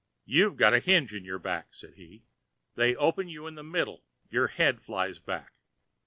"You've got a hinge in your back," said he, "they open you in the middle; your head flies back.